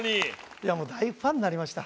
いやもう大ファンになりました。